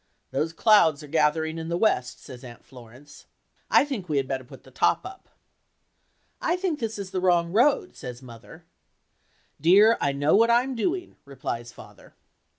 "Those clouds are gathering in the west," says Aunt Florence, "I think we had better put the top up." "I think this is the wrong road," says mother. "Dear, I know what I'm doing," replies father.